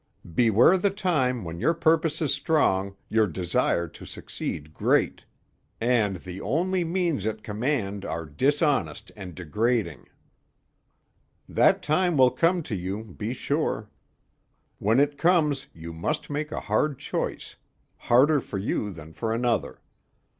Beware the time when your purpose is strong, your desire to succeed great, and the only means at command are dishonest and degrading. That time will come to you, be sure. When it comes you must make a hard choice harder for you than for another.